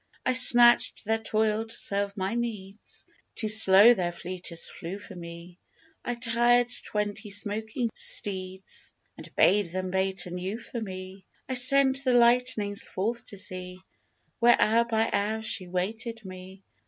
I snatched their toil to serve my needs Too slow their fleetest flew for me I tired twenty smoking steeds, And bade them bait a new for me. I sent the lightnings forth to see Where hour by hour she waited me.